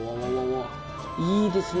いいですね！